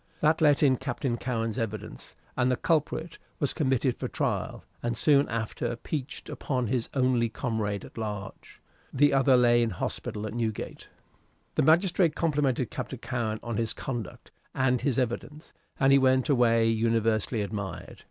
That let in Captain Cowen's evidence, and the culprit was committed for trial, and soon after peached upon his only comrade at large. The other lay in the hospital at Newgate. The magistrate complimented Captain Cowen on his conduct and his evidence, and he went away universally admired.